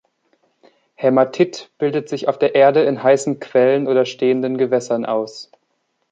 Hämatit bildet sich auf der Erde in heißen Quellen oder stehenden Gewässern aus.